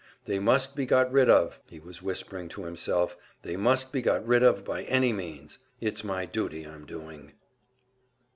"They must be got rid of!" he was whispering to himself. "They must be got rid of by any means! It's my duty I'm doing."